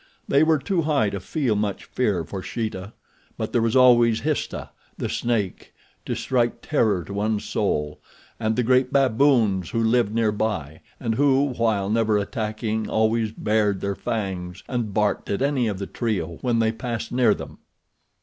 They were too high to feel much fear of Sheeta; but there was always Histah, the snake, to strike terror to one's soul, and the great baboons who lived near by, and who, while never attacking always bared their fangs and barked at any of the trio when they passed near them.